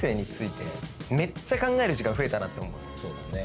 そうだね。